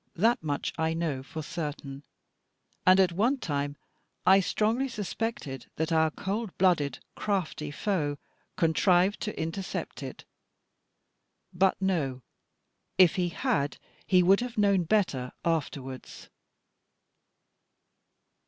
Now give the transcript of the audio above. That much I know, for certain; and at one time I strongly suspected that our cold blooded, crafty foe contrived to intercept it. But no; if he had, he would have known better afterwards.